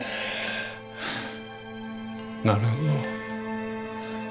なるほど。